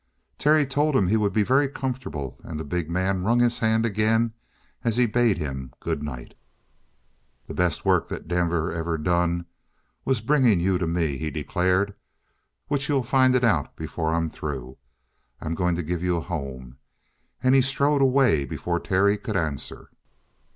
Terry told him he would be very comfortable, and the big man wrung his hand again as he bade him good night. "The best work that Denver ever done was bringing you to me," he declared. "Which you'll find it out before I'm through. I'm going to give you a home!" And he strode away before Terry could answer.